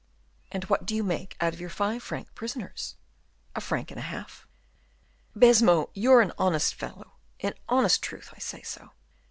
"And what do you make out of your five franc prisoners?" "A franc and a half." "Baisemeaux, you're an honest fellow; in honest truth I say so."